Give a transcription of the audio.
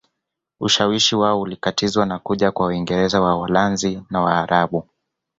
Ushawishi wao ulikatizwa na kuja kwa Waingereza Waholanzi na Waarabu